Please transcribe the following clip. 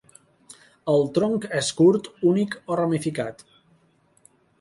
El tronc és curt, únic o ramificat.